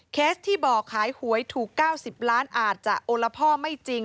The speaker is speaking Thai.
ที่บอกขายหวยถูก๙๐ล้านอาจจะโอละพ่อไม่จริง